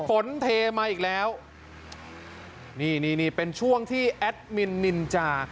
เทมาอีกแล้วนี่นี่เป็นช่วงที่แอดมินนินจา